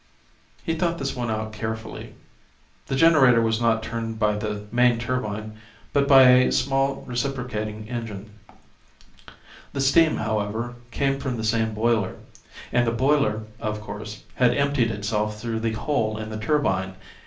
He thought this one out carefully. The generator was not turned by the main turbine, but by a small reciprocating engine. The steam, however, came from the same boiler. And the boiler, of course, had emptied itself through the hole in the turbine.